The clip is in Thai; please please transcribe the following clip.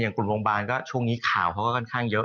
กลุ่มโรงพยาบาลก็ช่วงนี้ข่าวเขาก็ค่อนข้างเยอะ